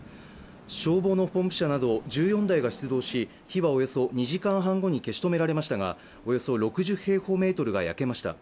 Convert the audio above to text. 消防のポンプ車など１４台が出動し火はおよそ２時間半後に消し止められましたが、およそ６０平方メートルが焼けました。